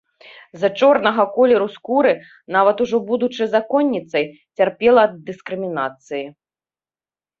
З-за чорнага колеру скуры, нават ужо будучы законніцай, цярпела ад дыскрымінацыі.